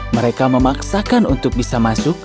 mereka memaksakan untuk bisa masuk